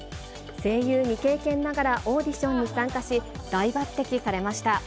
声優未経験ながらオーディションに参加し、大抜てきされました。